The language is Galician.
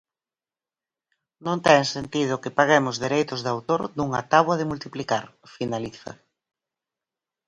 "Non ten sentido que paguemos dereitos de autor dunha táboa de multiplicar", finaliza.